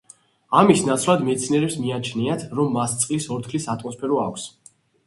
ამის ნაცვლად, მეცნიერებს მიაჩნიათ, რომ მას წყლის ორთქლის ატმოსფერო აქვს.